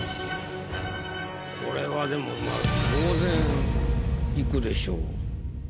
これはでもまあ当然いくでしょう。